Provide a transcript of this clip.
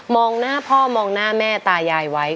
หน้าพ่อมองหน้าแม่ตายายไว้